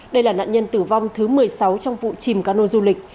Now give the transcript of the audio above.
đây là nạn nhân tử vong thứ một mươi sáu trong vụ chìm cano du lịch